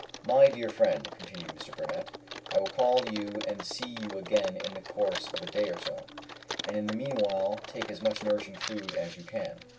My dear friend," continued Mr. Burnett, "I will call and see you again in the course of a day or so, and in the meanwhile take as much nourishing food as you can.